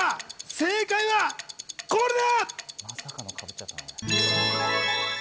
正解はこれだ！